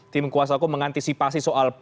tim kuasa hukum mengantisipasi soal